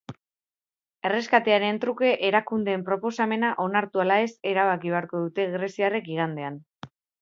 Erreskatearen truke erakundeen proposamena onartu ala ez erabaki beharko dute greziarrek igandean.